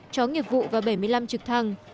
chó nghiệp vụ và bảy mươi năm trực thăng